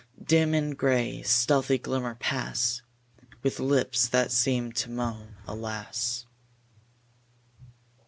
Dim in gray, stealthy glimmer, pass With lips that seem to moan "Alas."